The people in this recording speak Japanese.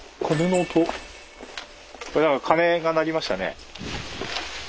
鐘が鳴りましたね。